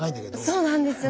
そうなんですよね。